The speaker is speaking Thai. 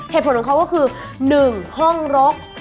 เหตุผลของเขาก็คือ๑ห้องรก